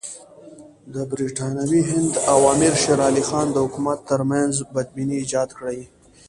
د برټانوي هند او امیر شېر علي خان د حکومت ترمنځ بدبیني ایجاد کړي.